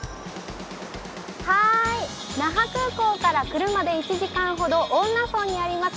那覇空港から車で１時間ほど恩納村にあります